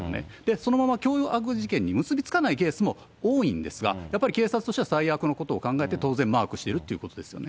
そのまま凶悪事件に結び付かないケースも多いんですが、やっぱり警察としては最悪のことを考えて、当然、マークしているということですよね。